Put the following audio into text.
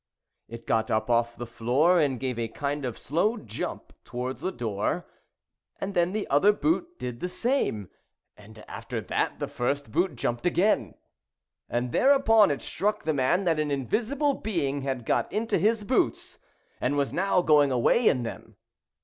It got up off the floor and gave a kind of slow jump towards the door, and then the other boot did the same, and after that the first boot jumped again. And there upon it struck the man that an invisible being had got into his boots, and was now going away in them.